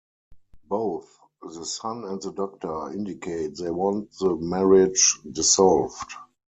Both the son and the doctor indicate they want the marriage dissolved.